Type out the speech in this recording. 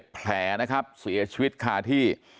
แผลนะครับเสียชีวิตคาที่